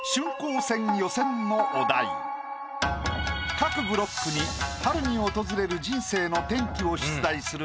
各ブロックに春に訪れる人生の転機を出題する